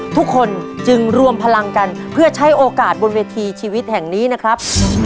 ทุกคนจึงรวมพลังกันเพื่อใช้โอกาสบนเวทีชีวิตแห่งนี้นะครับ